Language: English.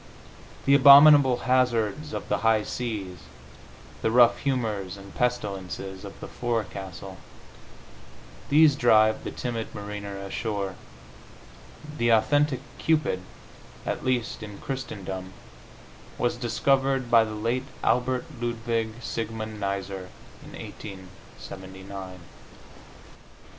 The abominable hazards of the high seas, the rough humors and pestilences of the forecastle these drive the timid mariner ashore.... The authentic Cupid, at least in Christendom, was discovered by the late Albert Ludwig Siegmund Neisser in 1879.